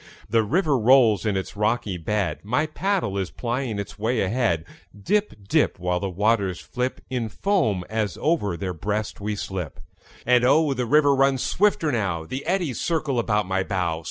The river rolls in its rocky bed; My paddle is plying its way ahead; Dip, dip, While the waters flip In foam as over their breast we slip. And oh, the river runs swifter now; The eddies circle about my bow.